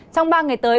trong ba ngày tới